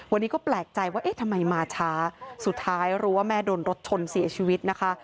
วันนี้ก็แปลกใจว่าเอ๊ะทำไมมาช้าสุดท้ายรู้ว่าแม่โดนรถชนเสียชีวิตนะคะ